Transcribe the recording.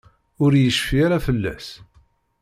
Ur yecfi ara fell-as.